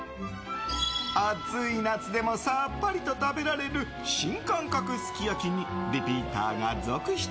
暑い夏でもさっぱりと食べられる新感覚すき焼きにリピーターが続出。